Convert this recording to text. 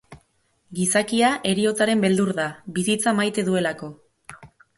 Gizakia heriotzaren beldur da, bizitza maite duelako.